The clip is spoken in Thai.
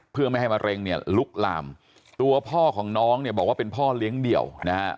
เพื่อไม่ให้มะเร็งเนี่ยลุกลามตัวพ่อของน้องเนี่ยบอกว่าเป็นพ่อเลี้ยงเดี่ยวนะฮะ